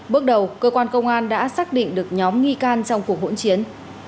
bước đầu cơ quan công an đã xác định được nhóm nghi can trong cuộc hỗn chiến